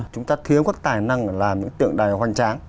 chúng ta thiếu các tài năng làm những tượng đài hoang tráng